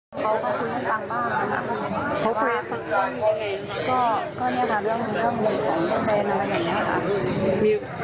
มีเขามาติดกันแต่ว่าก็คุ้นชาตินะคะเพราะว่าตอนแรกมันอยู่ในสอนที่สวนดี